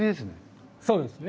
そうですね。